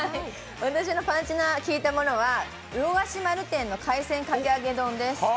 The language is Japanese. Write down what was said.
私のパンチの効いたものは、魚河岸丸天の海鮮かき揚げ丼です